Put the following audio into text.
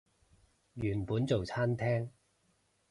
原本做餐廳